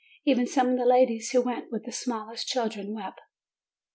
Even some of the ladies who went with the smallest children wept.